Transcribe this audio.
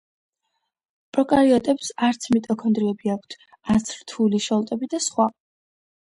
პროკარიოტებს არც მიტოქონდრიები აქვთ, არც რთული შოლტები და სხვა.